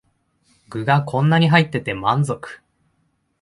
具がこんなに入ってて満足